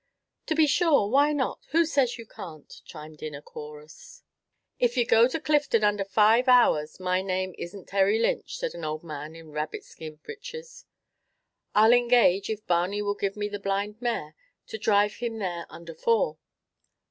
"To be sure! why not? who says you can't?" chimed in a chorus. "If you go to Clifden under five hours my name isn't Terry Lynch," said an old man in rabbitskin breeches. "I 'll engage, if Barny will give me the blind mare, to drive him there under four."